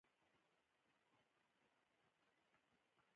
افغانستان د پسرلی په برخه کې نړیوال شهرت لري.